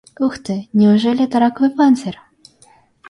Ух ты, неужели это раковый панцирь?